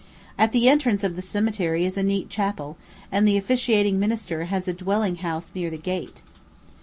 At the entrance of the cemetery is a neat chapel, and the officiating minister has a dwelling house near the gate.